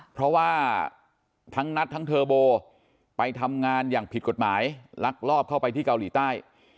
เพราะว่าทั้งนัททั้งเทอร์โบไปทำงานอย่างผิดกฎหมายลักลอบเข้าไปที่เกาหลีใต้